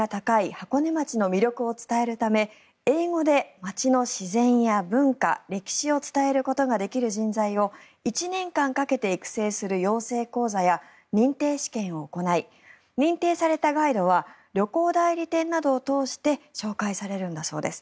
箱根町の魅力を伝えるため英語で町の自然や文化、歴史を伝えることができる人材を１年間かけて育成する養成講座や認定試験を行い認定されたガイドは旅行代理店などを通して紹介されるんだそうです。